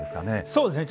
そうですね。